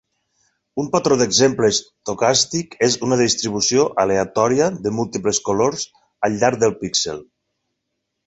Un patró d'exemple estocàstic és una distribució aleatòria de múltiples colors al llarg del píxel.